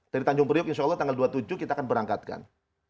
dari tanjung priuk insya allah tanggal dua puluh tujuh kita akan berangkatkan